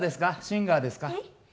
シンガーですか？